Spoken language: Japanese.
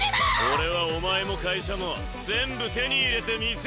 俺はお前も会社も全部手に入れてみせるぞ。